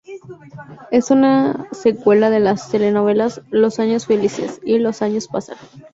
Es una secuela de las telenovelas "Los años felices" y "Los años pasan".